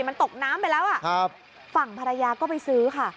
มันตกน้ำไปแล้วฝั่งภรรยาก็ไปซื้อค่ะ